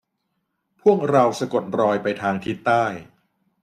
พวกเราสะกดรอยไปทางทิศใต้